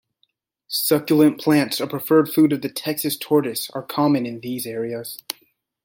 Succulent plants, a preferred food of the Texas tortoise, are common in these areas.